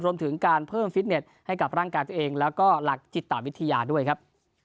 รวมถึงการเพิ่มฟิตเน็ตให้กับร่างกายตัวเองแล้วก็หลักจิตวิทยาด้วยครับ